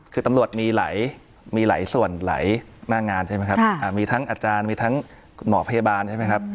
คือตำรวจมีหลายส่วนหลายหน้างานใช่ไหมครับมีทั้งอาจารย์มีทั้งหมอพยาบาลใช่ไหมครับ